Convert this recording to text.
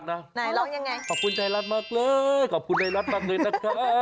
ไหนร้องยังไงขอบคุณไทยรัฐมากเลยขอบคุณไทยรัฐมากเลยนะคะ